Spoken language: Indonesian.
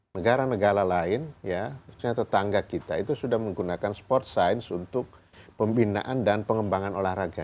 negara negara lain ya tetangga kita itu sudah menggunakan sport science untuk pembinaan dan pengembangan olahraga